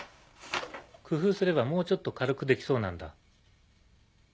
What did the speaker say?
工夫すればもうちょっと軽くできそうなんだ。